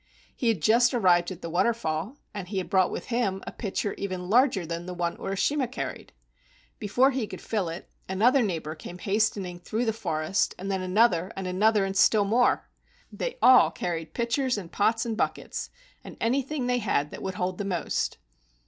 He had just arrived at the waterfall, and he had brought with him a pitcher even larger than the one Uri shima carried. Before he could fill it, another neighbor came hastening through the forest, and then another and another and still more. They all carried pitchers and pots and buckets, and anything they had that would hold the most.